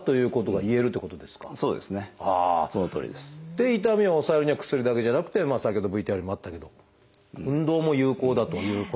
で痛みを抑えるには薬だけじゃなくて先ほどＶＴＲにもあったけど運動も有効だということ。